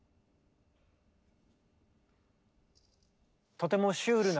とてもシュールな。